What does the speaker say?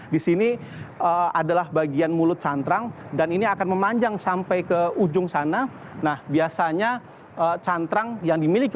di sini adalah bagian mulut cantrang dan ini akan memanjang sampai ke ujung sana